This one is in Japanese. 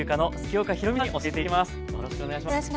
よろしくお願いします。